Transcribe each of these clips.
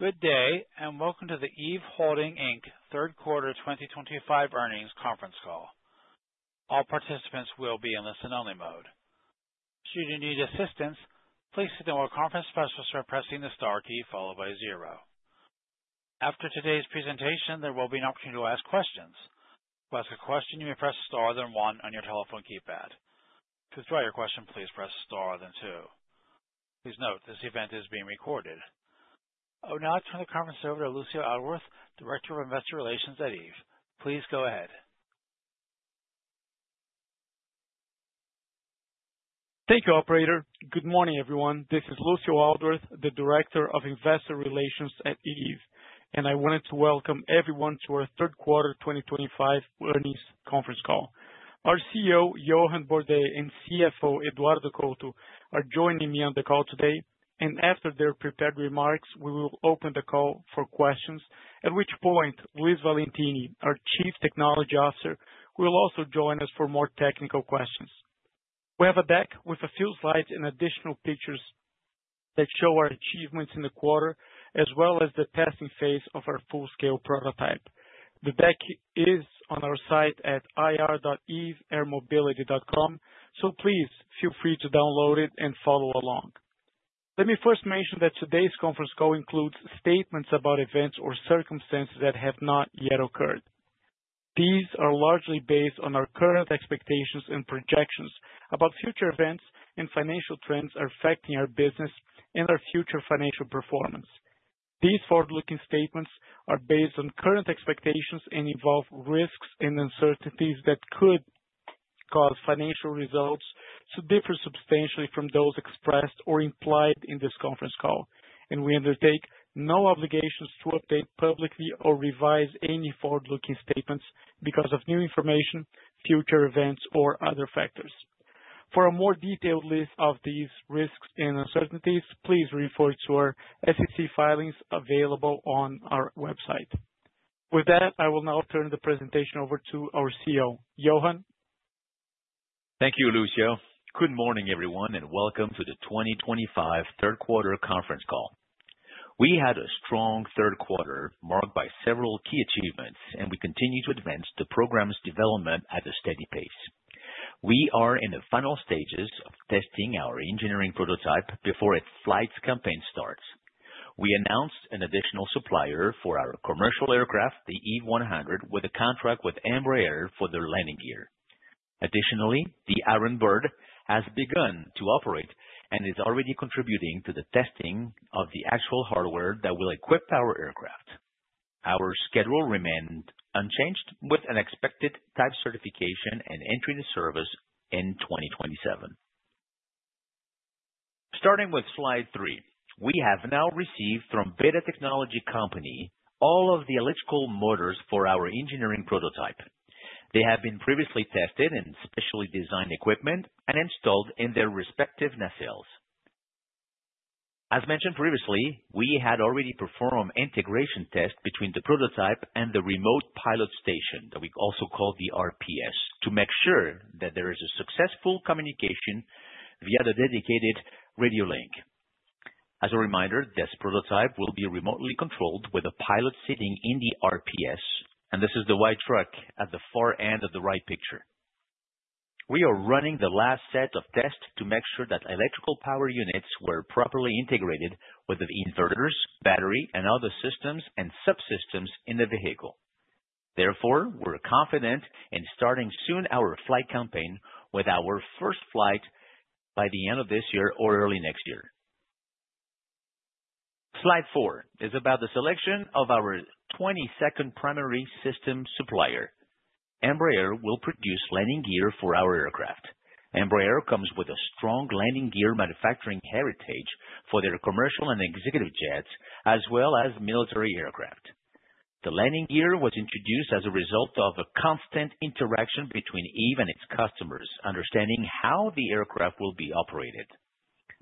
Good day, and Welcome to the Eve Holding Inc. Third Quarter 2025 earnings conference call. All participants will be in listen-only mode. Should you need assistance, please hit the conference specialist by pressing the star key followed by zero. After today's presentation, there will be an opportunity to ask questions. To ask a question, you may press star then one on your telephone keypad. To withdraw your question, please press star then two. Please note, this event is being recorded. I will now turn the conference over to Lucio Aldworth, Director of Investor Relations at Eve. Please go ahead. Thank you, Operator. Good morning, everyone. This is Lucio Aldworth, the Director of Investor Relations at Eve, and I wanted to welcome everyone to our third quarter 2025 earnings conference call. Our CEO, Johann Bordais, and CFO, Eduardo Couto, are joining me on the call today, and after their prepared remarks, we will open the call for questions, at which point Luiz Valentini, our Chief Technology Officer, will also join us for more technical questions. We have a deck with a few slides and additional pictures that show our achievements in the quarter, as well as the testing phase of our full-scale prototype. The deck is on our site at ir.eveairmobility.com, so please feel free to download it and follow along. Let me first mention that today's conference call includes statements about events or circumstances that have not yet occurred. These are largely based on our current expectations and projections about future events and financial trends affecting our business and our future financial performance. These forward-looking statements are based on current expectations and involve risks and uncertainties that could cause financial results to differ substantially from those expressed or implied in this conference call, and we undertake no obligations to update publicly or revise any forward-looking statements because of new information, future events, or other factors. For a more detailed list of these risks and uncertainties, please refer to our SEC filings available on our website. With that, I will now turn the presentation over to our CEO, Johann. Thank you, Lucio. Good morning, everyone, and Welcome to the 2025 Third Quarter conference call. We had a strong third quarter marked by several key achievements, and we continue to advance the program's development at a steady pace. We are in the final stages of testing our engineering prototype before its flight campaign starts. We announced an additional supplier for our commercial aircraft, the Eve eVTOL, with a contract with Embraer for their landing gear. Additionally, the Iron Bird has begun to operate and is already contributing to the testing of the actual hardware that will equip our aircraft. Our schedule remained unchanged, with an expected type certification and entry into service in 2027. Starting with slide three, we have now received from BETA Technologies company all of the electrical motors for our engineering prototype. They have been previously tested in specially designed equipment and installed in their respective nacelles. As mentioned previously, we had already performed integration tests between the prototype and the Remote Pilot Station that we also call the RPS to make sure that there is a successful communication via the dedicated radio link. As a reminder, this prototype will be remotely controlled with a pilot sitting in the RPS, and this is the white truck at the far end of the right picture. We are running the last set of tests to make sure that electrical power units were properly integrated with the inverters, battery, and other systems and subsystems in the vehicle. Therefore, we're confident in starting soon our flight campaign with our first flight by the end of this year or early next year. Slide four is about the selection of our 22nd primary system supplier. Embraer will produce landing gear for our aircraft. Embraer comes with a strong landing gear manufacturing heritage for their commercial and executive jets, as well as military aircraft. The landing gear was introduced as a result of a constant interaction between Eve and its customers, understanding how the aircraft will be operated.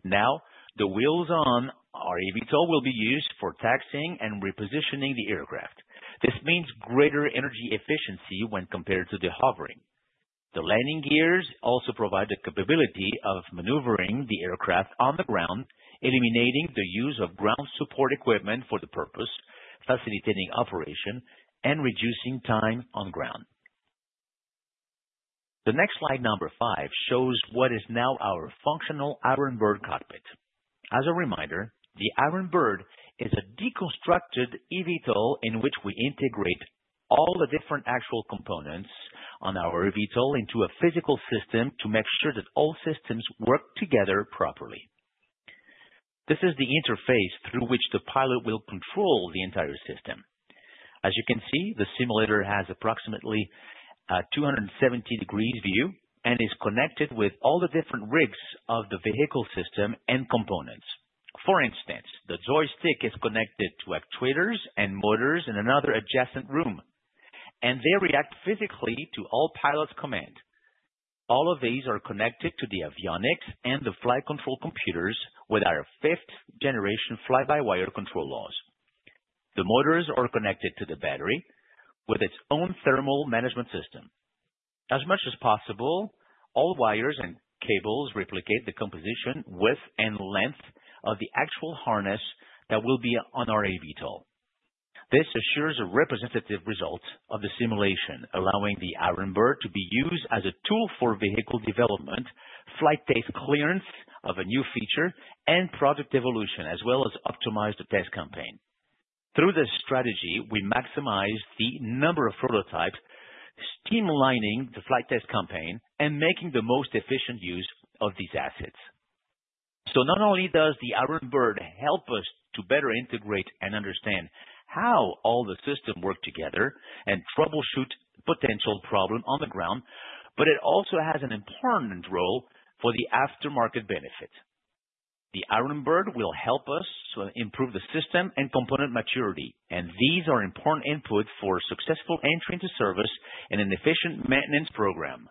Now, the wheels on our eVTOL will be used for taxiing and repositioning the aircraft. This means greater energy efficiency when compared to the hovering. The landing gears also provide the capability of maneuvering the aircraft on the ground, eliminating the use of ground support equipment for the purpose, facilitating operation and reducing time on ground. The next slide, number five, shows what is now our functional Iron Bird cockpit. As a reminder, the Iron Bird is a deconstructed eVTOL in which we integrate all the different actual components on our eVTOL into a physical system to make sure that all systems work together properly. This is the interface through which the pilot will control the entire system. As you can see, the simulator has approximately a 270-degree view and is connected with all the different rigs of the vehicle system and components. For instance, the joystick is connected to actuators and motors in another adjacent room, and they react physically to all pilot's command. All of these are connected to the avionics and the flight control computers with our fifth-generation fly-by-wire control laws. The motors are connected to the battery with its own thermal management system. As much as possible, all wires and cables replicate the composition, width, and length of the actual harness that will be on our eVTOL. This assures a representative result of the simulation, allowing the Iron Bird to be used as a tool for vehicle development, flight test clearance of a new feature, and product evolution, as well as optimize the test campaign. Through this strategy, we maximize the number of prototypes, streamlining the flight test campaign and making the most efficient use of these assets. So not only does the Iron Bird help us to better integrate and understand how all the systems work together and troubleshoot potential problems on the ground, but it also has an important role for the aftermarket benefit. The Iron Bird will help us improve the system and component maturity, and these are important inputs for successful entry into service and an efficient maintenance program.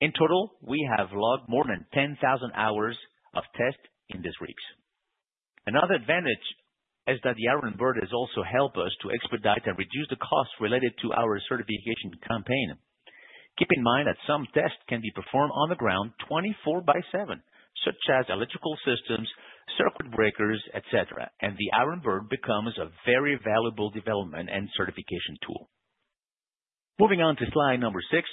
In total, we have logged more than 10,000 hours of tests in these weeks. Another advantage is that the Iron Bird has also helped us to expedite and reduce the costs related to our certification campaign. Keep in mind that some tests can be performed on the ground 24/7, such as electrical systems, circuit breakers, etc., and the Iron Bird becomes a very valuable development and certification tool. Moving on to slide number six,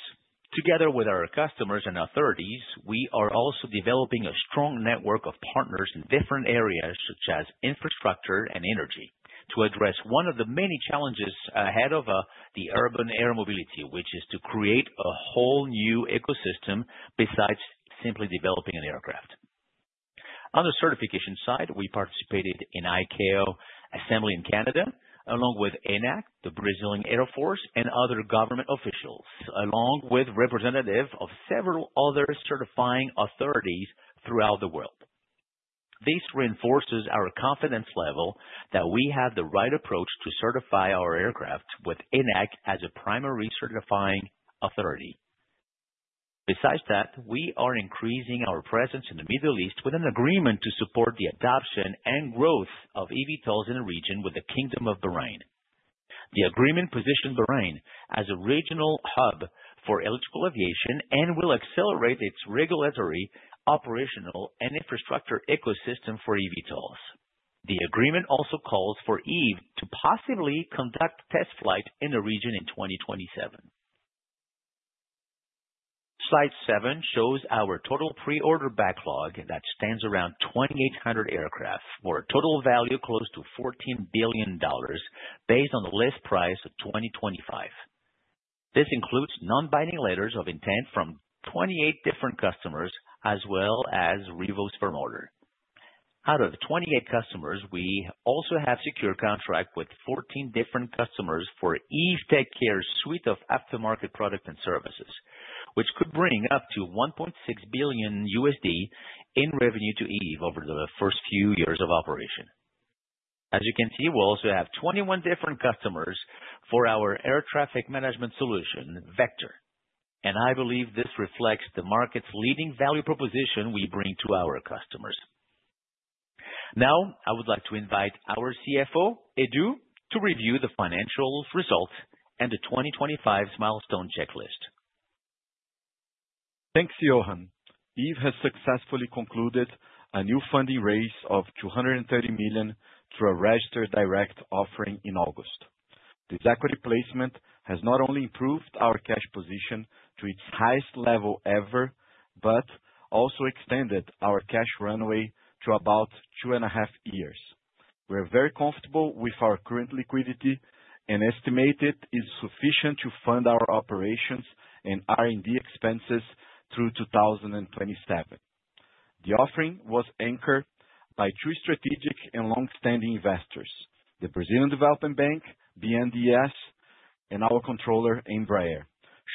together with our customers and authorities, we are also developing a strong network of partners in different areas, such as infrastructure and energy, to address one of the many challenges ahead of the urban air mobility, which is to create a whole new ecosystem besides simply developing an aircraft. On the certification side, we participated in ICAO Assembly in Canada, along with ANAC, the Brazilian Air Force, and other government officials, along with representatives of several other certifying authorities throughout the world. This reinforces our confidence level that we have the right approach to certify our aircraft with ANAC as a primary certifying authority. Besides that, we are increasing our presence in the Middle East with an agreement to support the adoption and growth of eVTOLs in the region with the Kingdom of Bahrain. The agreement positions Bahrain as a regional hub for electrical aviation and will accelerate its regulatory, operational, and infrastructure ecosystem for eVTOLs. The agreement also calls for Eve to possibly conduct test flights in the region in 2027. Slide seven shows our total pre-order backlog that stands around 2,800 aircraft, for a total value close to $14 billion based on the list price of 2025. This includes non-binding letters of intent from 28 different customers, as well as Revo's firm order. Out of 28 customers, we also have secure contracts with 14 different customers for Eve TechCare's suite of aftermarket products and services, which could bring up to $1.6 billion in revenue to Eve over the first few years of operation. As you can see, we also have 21 different customers for our air traffic management solution, Vector, and I believe this reflects the market's leading value proposition we bring to our customers. Now, I would like to invite our CFO, Edu, to review the financial results and the 2025 milestone checklist. Thanks, Johann. Eve has successfully concluded a new funding raise of $230 million through a registered direct offering in August. This equity placement has not only improved our cash position to its highest level ever, but also extended our cash runway to about two and a half years. We're very comfortable with our current liquidity, and estimated it is sufficient to fund our operations and R&D expenses through 2027. The offering was anchored by two strategic and long-standing investors: the Brazilian Development Bank, BNDES, and our controller, Embraer,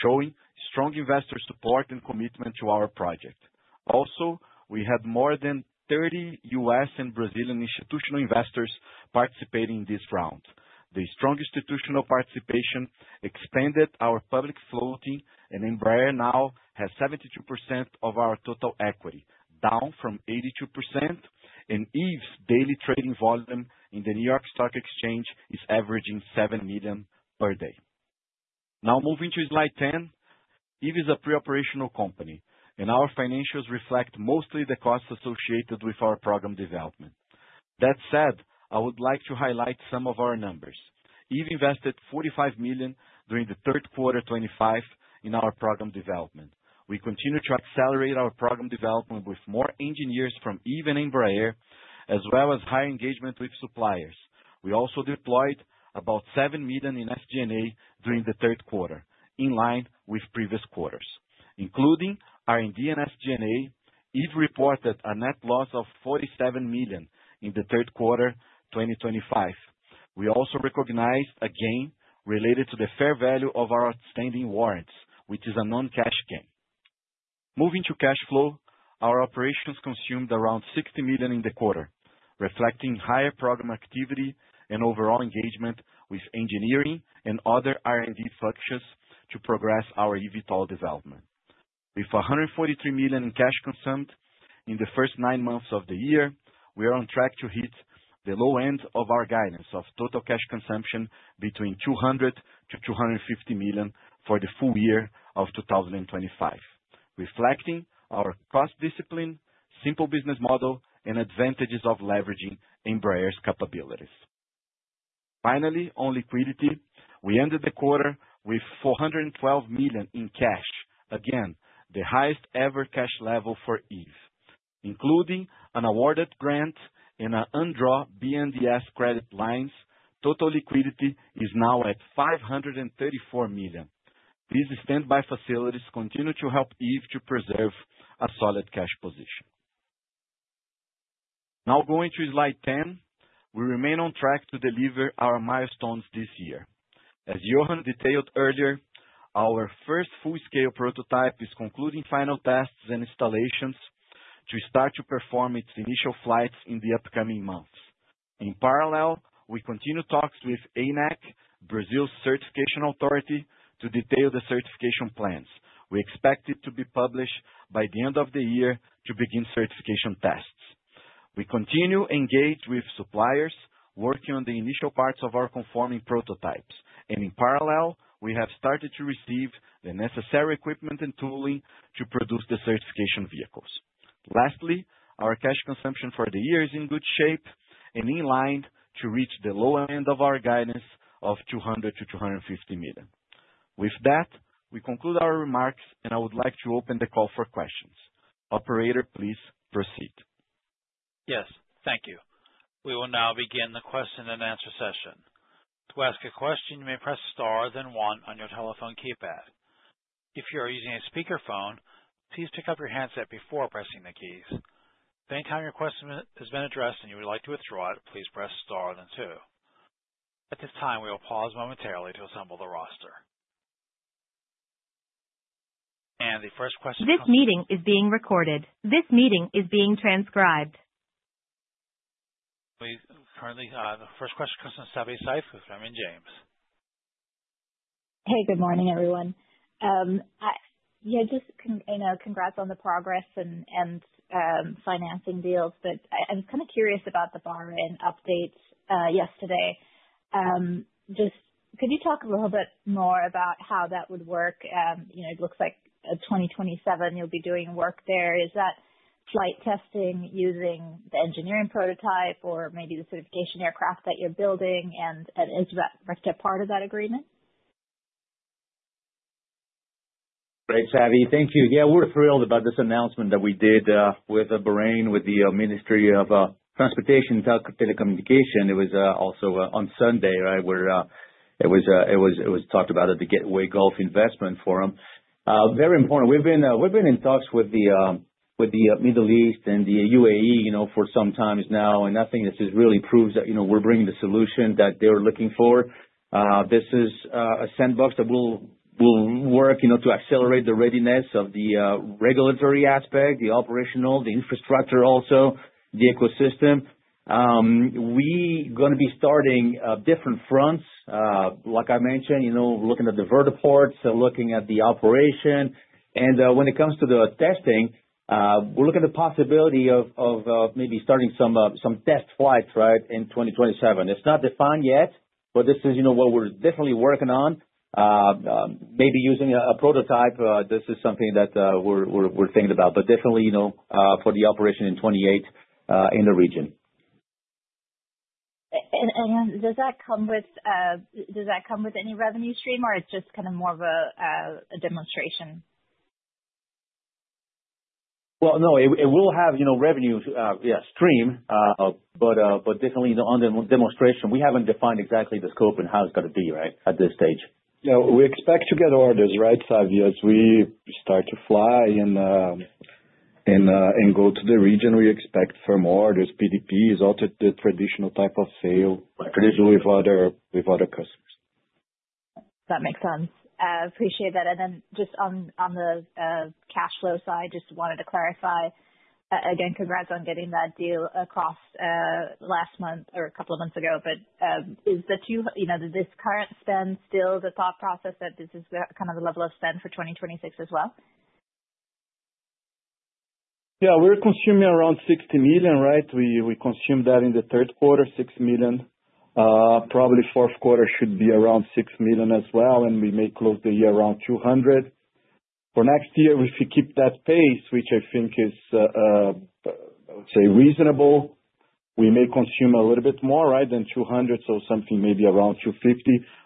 showing strong investor support and commitment to our project. Also, we had more than 30 U.S. and Brazilian institutional investors participating in this round. The strong institutional participation expanded our public float, and Embraer now has 72% of our total equity, down from 82%, and Eve's daily trading volume in the New York Stock Exchange is averaging $7 million per day. Now, moving to slide 10, Eve is a pre-operational company, and our financials reflect mostly the costs associated with our program development. That said, I would like to highlight some of our numbers. Eve invested $45 million during the third quarter 2025 in our program development. We continue to accelerate our program development with more engineers from Eve and Embraer, as well as higher engagement with suppliers. We also deployed about $7 million in SG&A during the third quarter, in line with previous quarters. Including R&D and SG&A, Eve reported a net loss of $47 million in the third quarter 2025. We also recognized a gain related to the fair value of our outstanding warrants, which is a non-cash gain. Moving to cash flow, our operations consumed around $60 million in the quarter, reflecting higher program activity and overall engagement with engineering and other R&D functions to progress our eVTOL development. With $143 million in cash consumed in the first nine months of the year, we are on track to hit the low end of our guidance of total cash consumption between $200 million-$250 million for the full year of 2025, reflecting our cross-discipline, simple business model, and advantages of leveraging Embraer's capabilities. Finally, on liquidity, we ended the quarter with $412 million in cash, again the highest-ever cash level for Eve. Including an awarded grant and an undrawn BNDES credit lines, total liquidity is now at $534 million. These standby facilities continue to help Eve to preserve a solid cash position. Now, going to slide 10, we remain on track to deliver our milestones this year. As Johann detailed earlier, our first full-scale prototype is concluding final tests and installations to start to perform its initial flights in the upcoming months. In parallel, we continue talks with ANAC, Brazil's certification authority, to detail the certification plans. We expect it to be published by the end of the year to begin certification tests. We continue to engage with suppliers, working on the initial parts of our conforming prototypes, and in parallel, we have started to receive the necessary equipment and tooling to produce the certification vehicles. Lastly, our cash consumption for the year is in good shape and in line to reach the low end of our guidance of $200 million-$250 million. With that, we conclude our remarks, and I would like to open the call for questions. Operator, please proceed. Yes, thank you. We will now begin the question and answer session. To ask a question, you may press star then one on your telephone keypad. If you are using a speakerphone, please pick up your handset before pressing the keys. If any time your question has been addressed and you would like to withdraw it, please press star then two. At this time, we will pause momentarily to assemble the roster. And the first question... This meeting is being recorded. This meeting is being transcribed. Currently, the first question comes from Savanthi Syth with Raymond James. Hey, good morning, everyone. Yeah, just congrats on the progress and financing deals, but I was kind of curious about the Bahrain updates yesterday. Just could you talk a little bit more about how that would work? It looks like 2027, you'll be doing work there. Is that flight testing using the engineering prototype or maybe the certification aircraft that you're building, and is that part of that agreement? Right, Savanthi, thank you. Yeah, we're thrilled about this announcement that we did with Bahrain, with the Ministry of Transportation and Telecommunications. It was also on Sunday, right, where it was talked about at the Gateway Gulf Investment Forum. Very important. We've been in talks with the Middle East and the UAE for some time now, and I think this really proves that we're bringing the solution that they're looking for. This is a sandbox that will work to accelerate the readiness of the regulatory aspect, the operational, the infrastructure also, the ecosystem. We're going to be starting different fronts. Like I mentioned, we're looking at the vertiports, looking at the operation, and when it comes to the testing, we're looking at the possibility of maybe starting some test flights, right, in 2027. It's not defined yet, but this is what we're definitely working on. Maybe using a prototype, this is something that we're thinking about, but definitely for the operation in 2028 in the region. Does that come with any revenue stream, or it's just kind of more of a demonstration? No, it will have revenue stream, but definitely on the demonstration. We haven't defined exactly the scope and how it's going to be, right, at this stage. Yeah, we expect to get orders, right, Savanthi? As we start to fly and go to the region, we expect firm orders, PDPs, all the traditional type of sale, traditionally with other customers. That makes sense. I appreciate that. And then just on the cash flow side, just wanted to clarify. Again, congrats on getting that deal across last month or a couple of months ago, but is this current spend still the thought process that this is kind of the level of spend for 2026 as well? Yeah, we're consuming around $60 million, right? We consumed that in the third quarter, $6 million. Probably fourth quarter should be around $6 million as well, and we may close the year around $200. For next year, if we keep that pace, which I think is, I would say, reasonable, we may consume a little bit more, right, than $200, so something maybe around $250.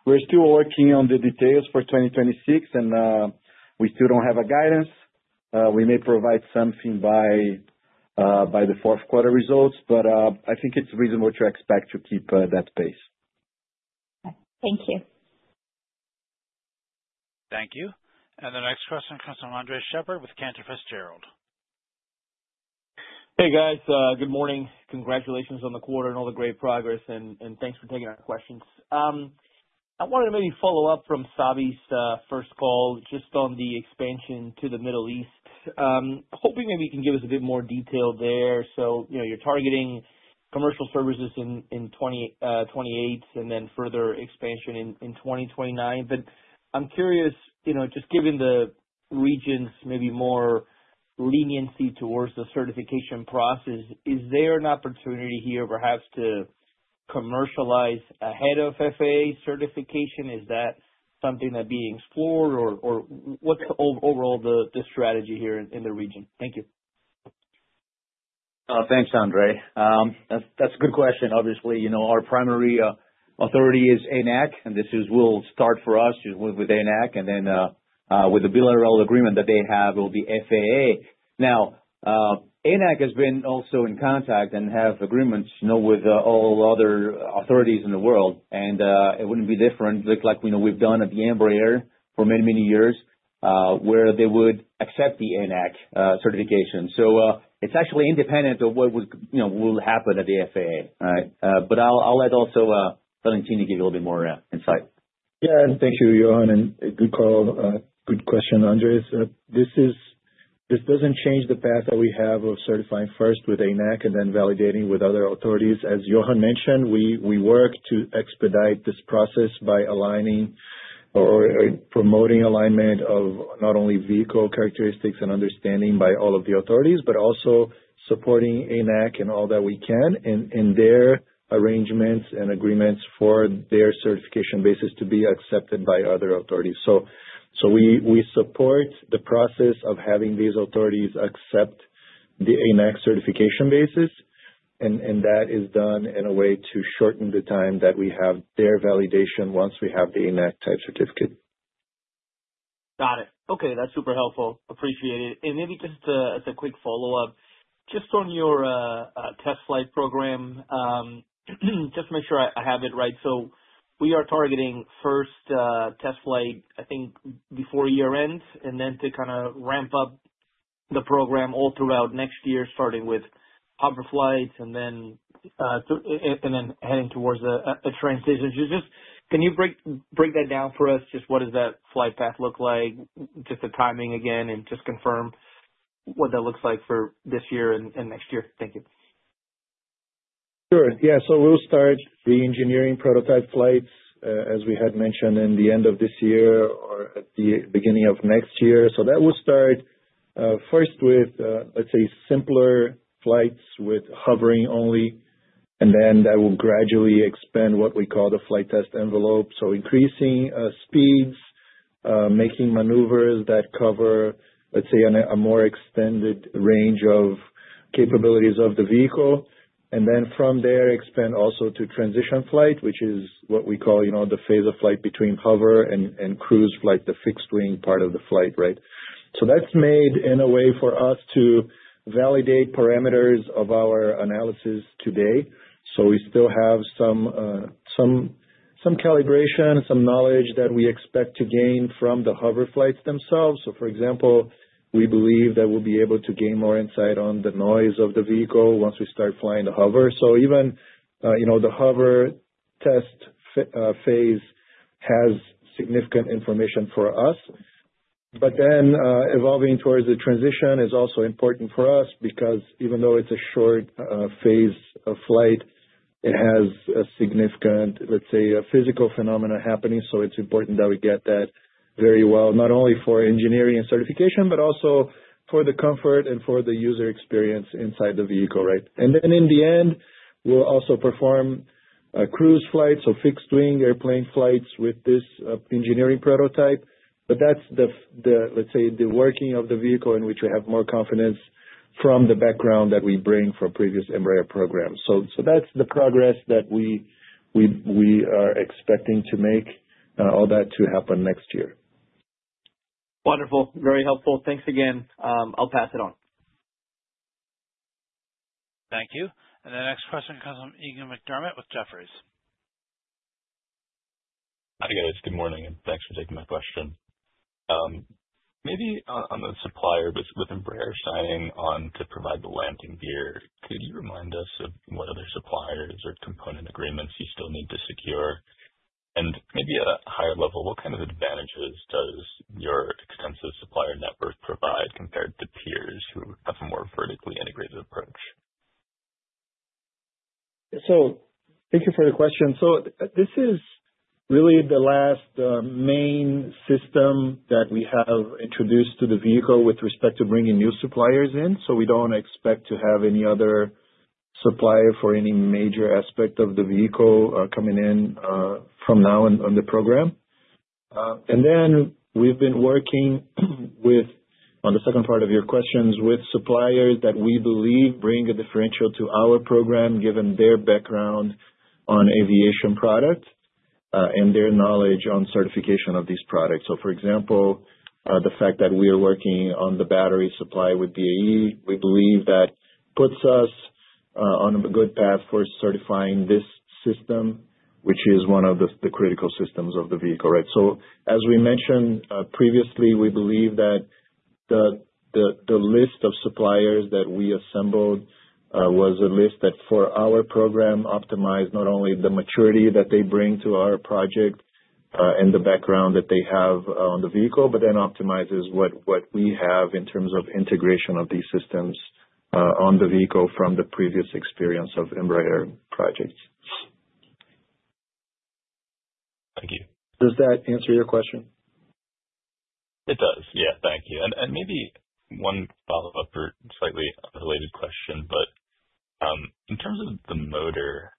We're still working on the details for 2026, and we still don't have a guidance. We may provide something by the fourth quarter results, but I think it's reasonable to expect to keep that pace. Okay, thank you. Thank you. And the next question comes from Andres Sheppard with Cantor Fitzgerald. Hey, guys. Good morning. Congratulations on the quarter and all the great progress, and thanks for taking our questions. I wanted to maybe follow up from Savi's first call just on the expansion to the Middle East. Hoping maybe you can give us a bit more detail there. So you're targeting commercial services in 2028 and then further expansion in 2029. But I'm curious, just given the region's maybe more leniency towards the certification process, is there an opportunity here perhaps to commercialize ahead of FAA certification? Is that something that's being explored, or what's overall the strategy here in the region? Thank you. Thanks, Andres. That's a good question. Obviously, our primary authority is ANAC, and this will start for us with ANAC, and then with the bilateral agreement that they have, it will be FAA. Now, ANAC has been also in contact and has agreements with all other authorities in the world, and it wouldn't be different. Looks like we've done at the Embraer for many, many years, where they would accept the ANAC certification. So it's actually independent of what will happen at the FAA, right? But I'll let also Valentini give you a little bit more insight. Yeah, and thank you, Johann, and good call. Good question, Andres. This doesn't change the path that we have of certifying first with ANAC and then validating with other authorities. As Johann mentioned, we work to expedite this process by aligning or promoting alignment of not only vehicle characteristics and understanding by all of the authorities, but also supporting ANAC in all that we can in their arrangements and agreements for their certification basis to be accepted by other authorities. So we support the process of having these authorities accept the ANAC certification basis, and that is done in a way to shorten the time that we have their validation once we have the ANAC-type certificate. Got it. Okay, that's super helpful. Appreciate it, and maybe just as a quick follow-up, just on your test flight program, just to make sure I have it right, so we are targeting first test flight, I think, before year-end, and then to kind of ramp up the program all throughout next year, starting with hover flights and then heading towards a transition. Can you break that down for us? Just what does that flight path look like? Just the timing again and just confirm what that looks like for this year and next year. Thank you. Sure. Yeah, so we'll start the engineering prototype flights, as we had mentioned, in the end of this year or at the beginning of next year. So that will start first with, let's say, simpler flights with hovering only, and then that will gradually expand what we call the flight test envelope. So increasing speeds, making maneuvers that cover, let's say, a more extended range of capabilities of the vehicle, and then from there, expand also to transition flight, which is what we call the phase of flight between hover and cruise flight, the fixed-wing part of the flight, right? So that's made in a way for us to validate parameters of our analysis today. So we still have some calibration, some knowledge that we expect to gain from the hover flights themselves. So, for example, we believe that we'll be able to gain more insight on the noise of the vehicle once we start flying the hover. So even the hover test phase has significant information for us. But then evolving towards the transition is also important for us because even though it's a short phase of flight, it has a significant, let's say, physical phenomenon happening. So it's important that we get that very well, not only for engineering and certification, but also for the comfort and for the user experience inside the vehicle, right? And then in the end, we'll also perform cruise flights, so fixed-wing airplane flights with this engineering prototype. But that's the, let's say, the working of the vehicle in which we have more confidence from the background that we bring from previous Embraer programs. So that's the progress that we are expecting to make all that to happen next year. Wonderful. Very helpful. Thanks again. I'll pass it on. Thank you. And the next question comes from Eegan McDermott with Jefferies. Hi, guys. Good morning, and thanks for taking my question. Maybe on the supplier with Embraer signing on to provide the landing gear, could you remind us of what other suppliers or component agreements you still need to secure? And maybe at a higher level, what kind of advantages does your extensive supplier network provide compared to peers who have a more vertically integrated approach? So thank you for the question. So this is really the last main system that we have introduced to the vehicle with respect to bringing new suppliers in. So we don't expect to have any other supplier for any major aspect of the vehicle coming in from now on the program. And then we've been working with, on the second part of your questions, with suppliers that we believe bring a differential to our program given their background on aviation products and their knowledge on certification of these products. So, for example, the fact that we are working on the battery supply with BAE, we believe that puts us on a good path for certifying this system, which is one of the critical systems of the vehicle, right? So, as we mentioned previously, we believe that the list of suppliers that we assembled was a list that, for our program, optimized not only the maturity that they bring to our project and the background that they have on the vehicle, but then optimizes what we have in terms of integration of these systems on the vehicle from the previous experience of Embraer projects. Thank you. Does that answer your question? It does. Yeah, thank you. And maybe one follow-up or slightly unrelated question, but in terms of the motor,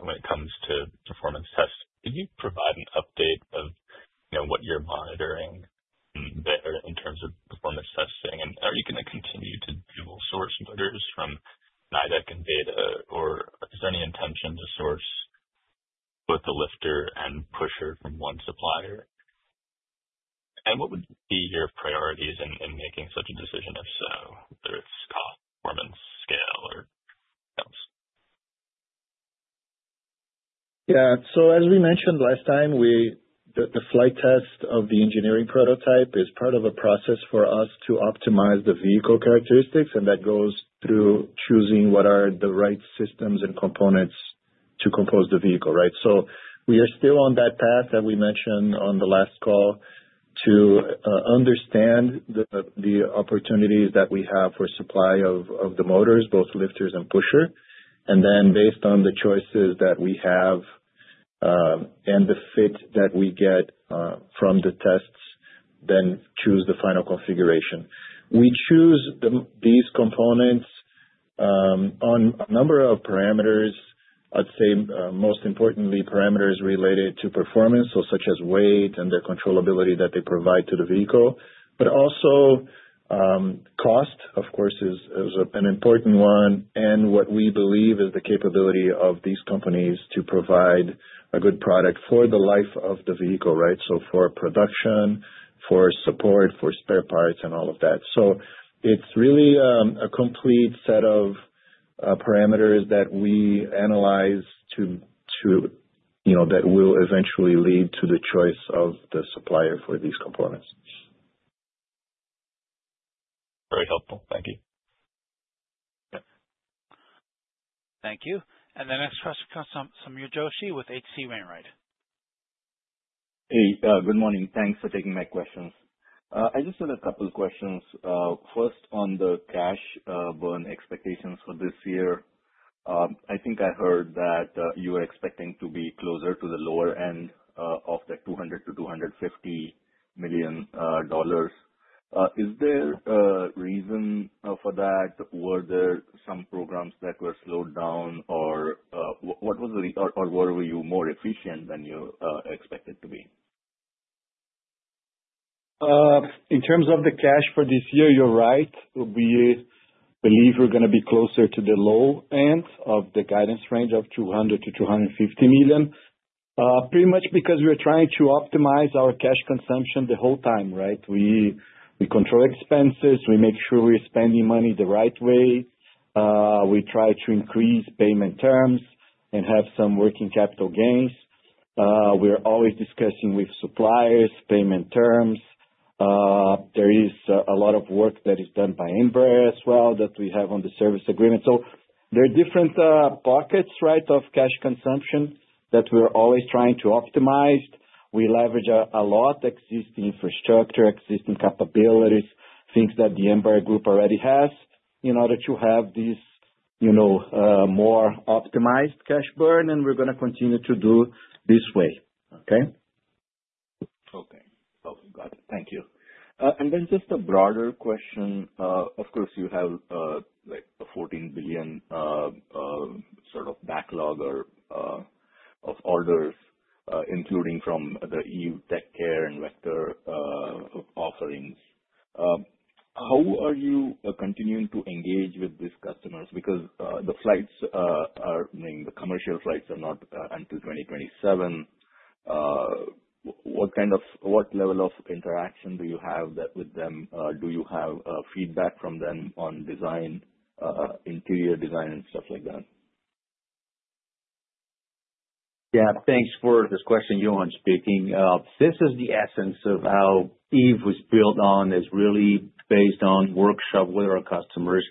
when it comes to performance tests, could you provide an update of what you're monitoring there in terms of performance testing? And are you going to continue to dual-source motors from Nidec and BETA, or is there any intention to source both the lifter and pusher from one supplier? And what would be your priorities in making such a decision, if so, whether it's cost, performance, scale, or else? Yeah. So, as we mentioned last time, the flight test of the engineering prototype is part of a process for us to optimize the vehicle characteristics, and that goes through choosing what are the right systems and components to compose the vehicle, right? So we are still on that path that we mentioned on the last call to understand the opportunities that we have for supply of the motors, both lifters and pusher. And then, based on the choices that we have and the fit that we get from the tests, then choose the final configuration. We choose these components on a number of parameters. I'd say, most importantly, parameters related to performance, such as weight and the controllability that they provide to the vehicle, but also cost, of course, is an important one, and what we believe is the capability of these companies to provide a good product for the life of the vehicle, right? So for production, for support, for spare parts, and all of that. So it's really a complete set of parameters that we analyze that will eventually lead to the choice of the supplier for these components. Very helpful. Thank you. Thank you. And the next question comes from Sameer Joshi with H.C. Wainwright & Co. Hey, good morning. Thanks for taking my questions. I just had a couple of questions. First, on the cash burn expectations for this year, I think I heard that you were expecting to be closer to the lower end of the $200 million-$250 million. Is there a reason for that? Were there some programs that were slowed down, or what was the reason, or were you more efficient than you expected to be? In terms of the cash for this year, you're right. We believe we're going to be closer to the low end of the guidance range of $200 million-$250 million, pretty much because we're trying to optimize our cash consumption the whole time, right? We control expenses. We make sure we're spending money the right way. We try to increase payment terms and have some working capital gains. We're always discussing with suppliers payment terms. There is a lot of work that is done by Embraer as well that we have on the service agreement. So there are different pockets, right, of cash consumption that we're always trying to optimize. We leverage a lot of existing infrastructure, existing capabilities, things that the Embraer group already has in order to have this more optimized cash burn, and we're going to continue to do this way, okay? Okay. Got it. Thank you. And then just a broader question. Of course, you have a $14 billion sort of backlog of orders, including from the Eve TechCare and Vector offerings. How are you continuing to engage with these customers? Because the flights are, I mean, the commercial flights are not until 2027. What level of interaction do you have with them? Do you have feedback from them on interior design and stuff like that? Yeah. Thanks for this question, Johann speaking. This is the essence of how Eve was built on. It's really based on workshop with our customers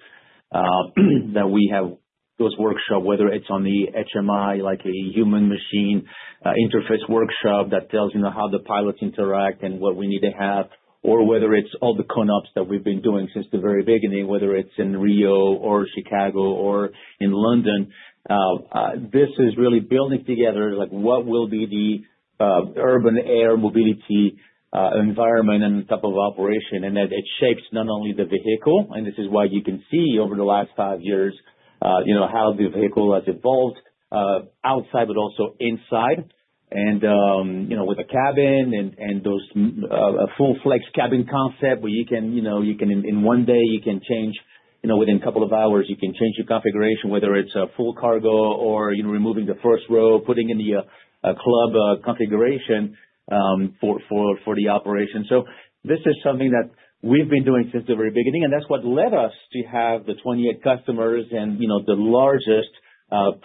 that we have those workshops, whether it's on the HMI, like a human-machine interface workshop that tells you how the pilots interact and what we need to have, or whether it's all the ConOps that we've been doing since the very beginning, whether it's in Rio or Chicago or in London. This is really building together what will be the urban air mobility environment and type of operation, and it shapes not only the vehicle. This is why you can see over the last five years how the vehicle has evolved outside, but also inside, and with a cabin and those full-flex cabin concept where you can, in one day, you can change within a couple of hours, you can change your configuration, whether it's a full cargo or removing the first row, putting in the club configuration for the operation. So this is something that we've been doing since the very beginning, and that's what led us to have the 28 customers and the largest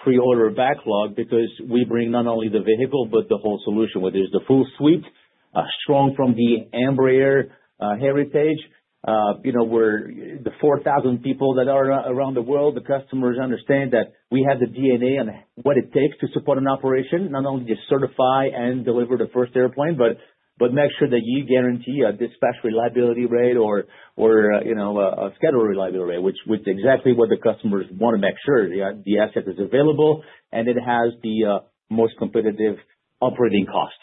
pre-order backlog because we bring not only the vehicle, but the whole solution, whether it's the full suite, strong from the Embraer heritage. We're the 4,000 people that are around the world. The customers understand that we have the DNA and what it takes to support an operation, not only to certify and deliver the first airplane, but make sure that you guarantee a dispatch reliability rate or a schedule reliability rate, which is exactly what the customers want to make sure the asset is available and it has the most competitive operating cost,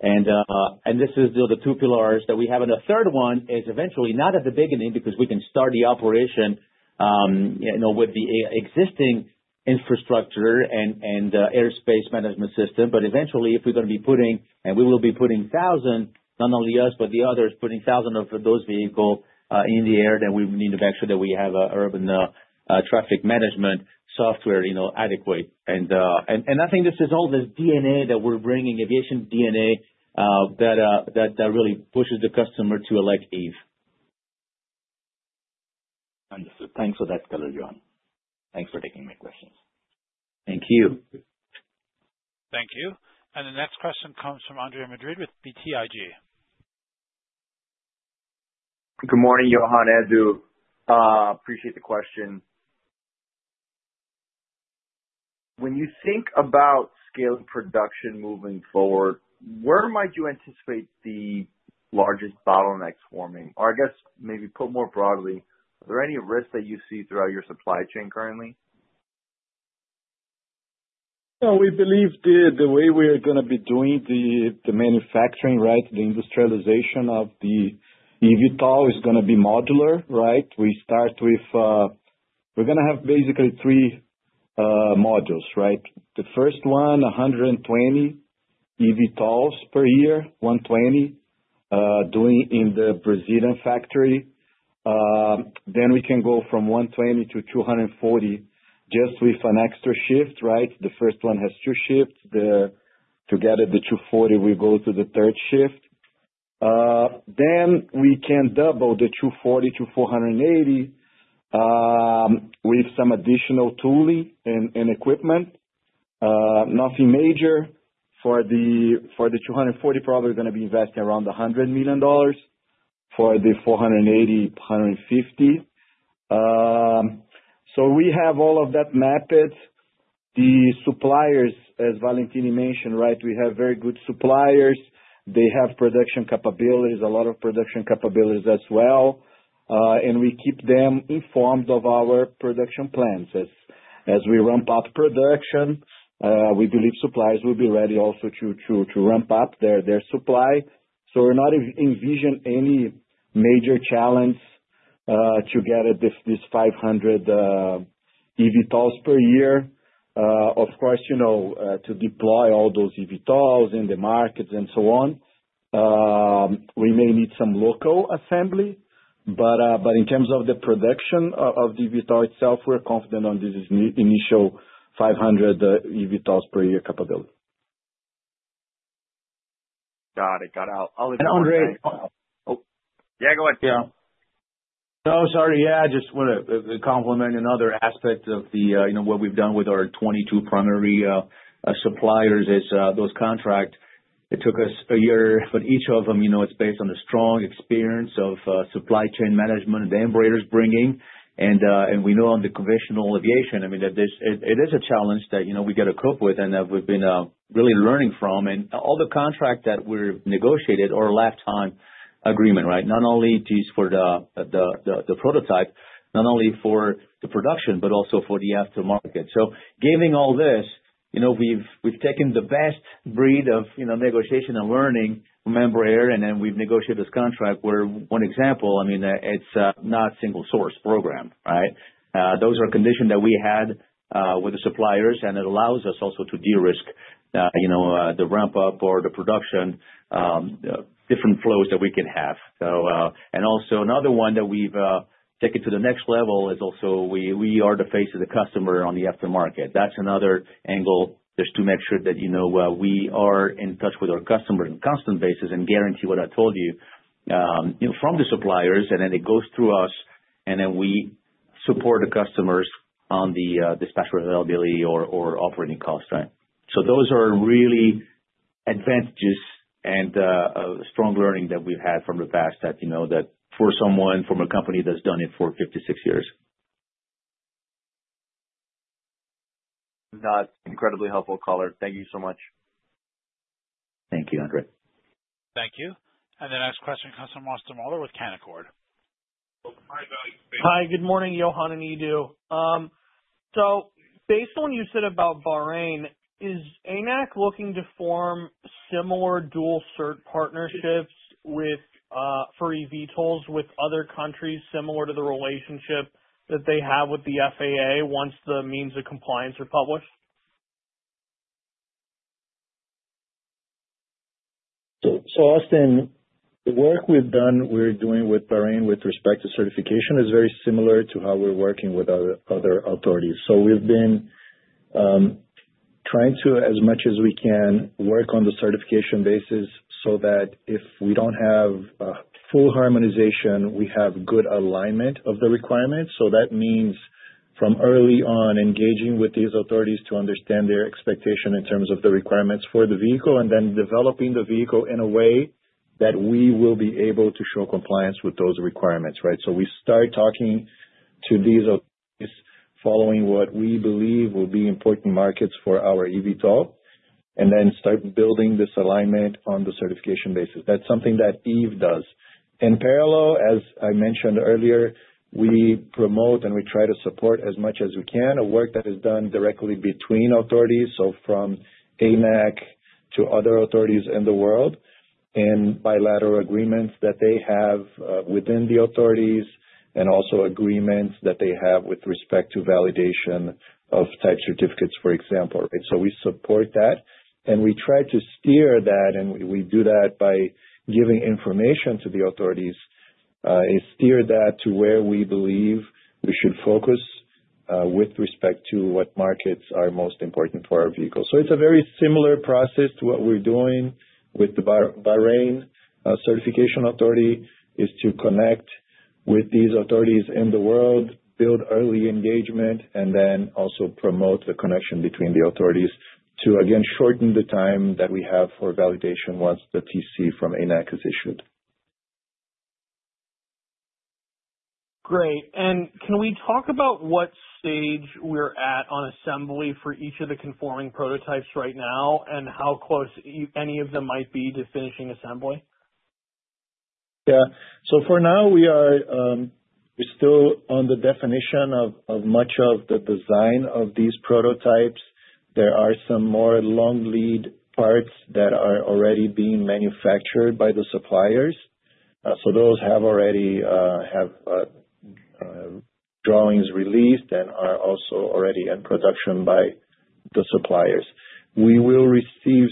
and this is the two pillars that we have. And the third one is eventually not at the beginning because we can start the operation with the existing infrastructure and airspace management system. But eventually, if we're going to be putting, and we will be putting thousands, not only us, but the others putting thousands of those vehicles in the air, then we need to make sure that we have urban traffic management software adequate. I think this is all this DNA that we're bringing, aviation DNA that really pushes the customer to elect Eve. Thanks for that, Johann. Thanks for taking my questions. Thank you. Thank you. And the next question comes from Andre Madrid with BTIG. Good morning, Johann. As you appreciate the question, when you think about scaling production moving forward, where might you anticipate the largest bottlenecks forming? Or I guess maybe put more broadly, are there any risks that you see throughout your supply chain currently? We believe the way we're going to be doing the manufacturing, right, the industrialization of the eVTOL is going to be modular, right? We're going to have basically three modules, right? The first one, 120 eVTOLs per year, 120 doing in the Brazilian factory. Then we can go from 120 to 240 just with an extra shift, right? The first one has two shifts. To get it to 240, we go to the third shift. Then we can double the 240 to 480 with some additional tooling and equipment. Nothing major. For the 240, probably going to be investing around $100 million; for the 480, $450 million. We have all of that mapped. The suppliers, as Valentini mentioned, right, we have very good suppliers. They have production capabilities, a lot of production capabilities as well. We keep them informed of our production plans as we ramp up production. We believe suppliers will be ready also to ramp up their supply. We're not envisioning any major challenge to get this 500 eVTOLs per year. Of course, to deploy all those eVTOLs in the markets and so on, we may need some local assembly. In terms of the production of the eVTOL itself, we're confident on this initial 500 eVTOLs per year capability. Got it. Got it. I'll let you go. And André. Yeah, go ahead. Yeah. No, sorry. Yeah, I just want to comment on another aspect of what we've done with our 22 primary suppliers, which is those contracts. It took us a year, but each of them, it's based on the strong experience of supply chain management that Embraer is bringing. And we know on the conventional aviation, I mean, it is a challenge that we got to cope with and that we've been really learning from. And all the contracts that we've negotiated are a lifetime agreement, right? Not only just for the prototype, not only for the production, but also for the aftermarket. So given all this, we've taken the best breed of negotiation and learning from Embraer, and then we've negotiated this contract where one example, I mean, it's not a single-source program, right? Those are conditions that we had with the suppliers, and it allows us also to de-risk the ramp-up or the production, different flows that we can have. Another one that we've taken to the next level is also we are the face of the customer on the aftermarket. That's another angle just to make sure that we are in touch with our customers on a constant basis and guarantee what I told you from the suppliers, and then it goes through us, and then we support the customers on the dispatch reliability or operating cost, right? Those are really advantages and strong learnings that we've had from the past that for someone from a company that's done it for 56 years. That's incredibly helpful, Color. Thank you so much. Thank you, André. Thank you. And the next question comes from Austin Moeller with Canaccord. Hi, good morning, Johann, and you too. So based on what you said about Bahrain, is ANAC looking to form similar dual-cert partnerships for eVTOLs with other countries similar to the relationship that they have with the FAA once the means of compliance are published? So Austin, the work we've done we're doing with Bahrain with respect to certification is very similar to how we're working with other authorities. So we've been trying to, as much as we can, work on the certification basis so that if we don't have full harmonization, we have good alignment of the requirements. So that means from early on engaging with these authorities to understand their expectation in terms of the requirements for the vehicle and then developing the vehicle in a way that we will be able to show compliance with those requirements, right? So we start talking to these authorities following what we believe will be important markets for our eVTOL and then start building this alignment on the certification basis. That's something that Eve does. In parallel, as I mentioned earlier, we promote and we try to support as much as we can a work that is done directly between authorities, so from ANAC to other authorities in the world and bilateral agreements that they have within the authorities and also agreements that they have with respect to validation of type certificates, for example, right? So we support that, and we try to steer that, and we do that by giving information to the authorities. It steers that to where we believe we should focus with respect to what markets are most important for our vehicles. It's a very similar process to what we're doing with the Bahrain Certification Authority, which is to connect with these authorities in the world, build early engagement, and then also promote the connection between the authorities to, again, shorten the time that we have for validation once the TC from ANAC is issued. Great. And can we talk about what stage we're at on assembly for each of the conforming prototypes right now and how close any of them might be to finishing assembly? Yeah. So for now, we're still on the definition of much of the design of these prototypes. There are some more long-lead parts that are already being manufactured by the suppliers. So those have already drawings released and are also already in production by the suppliers. We will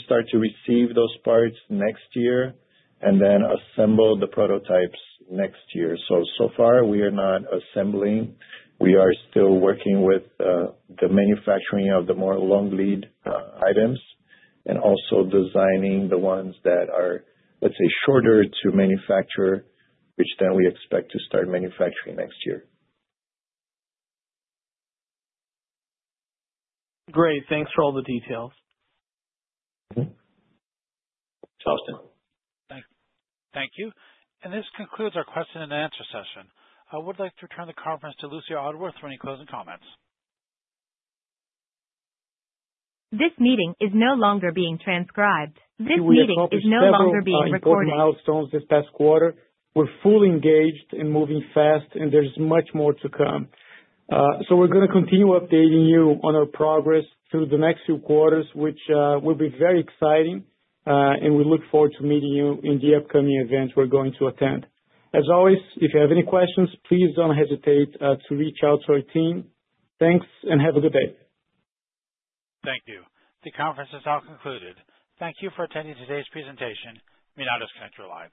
start to receive those parts next year and then assemble the prototypes next year. So so far, we are not assembling. We are still working with the manufacturing of the more long-lead items and also designing the ones that are, let's say, shorter to manufacture, which then we expect to start manufacturing next year. Great. Thanks for all the details. Thank you. Thank you. And this concludes our question-and-answer session. I would like to return the conference to Lucio Aldworth for any closing comments. This meeting is no longer being transcribed. This meeting is no longer being recorded. We've worked on multiple milestones this past quarter. We're fully engaged and moving fast, and there's much more to come. So we're going to continue updating you on our progress through the next few quarters, which will be very exciting, and we look forward to meeting you in the upcoming events we're going to attend. As always, if you have any questions, please don't hesitate to reach out to our team. Thanks and have a good day. Thank you. The conference is now concluded. Thank you for attending today's presentation. You may now disconnect your lines.